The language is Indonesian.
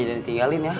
jangan ditinggalin ya